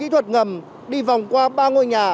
kỹ thuật ngầm đi vòng qua ba ngôi nhà